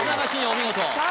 お見事